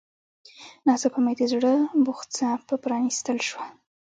ناڅاپه مې د زړه بوخڅه په پرانيستل شوه.